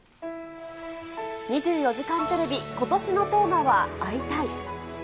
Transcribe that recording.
２４時間テレビ、ことしのテーマは会いたい！